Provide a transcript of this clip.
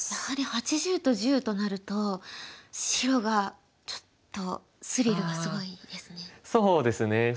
やはり８０と１０となると白がちょっとスリルがすごいですね。